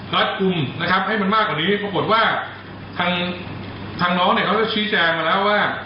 รัดกลุ่มนะครับให้มันมากกว่านี้ปรากฏว่าทางทางน้องเนี่ยเขาก็ชี้แจงมาแล้วว่า